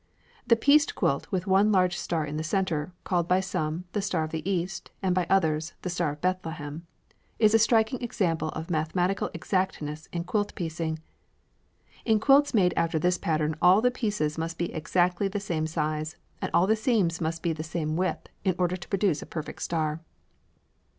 The pieced quilt with one large star in the centre, called by some "The Star of the East" and by others "The Star of Bethlehem," is a striking example of mathematical exactness in quilt piecing. In quilts made after this pattern all the pieces must be exactly the same size and all the seams must be the same width in order to produce a perfect star.